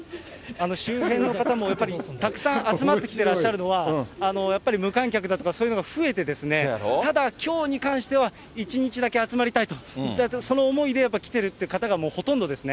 周辺の方もやっぱり、たくさん集まってきてらっしゃるのは、やっぱり無観客だとか、そういうのが増えて、ただきょうに関しては、１日だけ集まりたいといった、その思いでやっぱ来てるっていう方がほとんどですね。